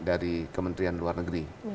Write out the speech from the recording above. dari kementrian luar negeri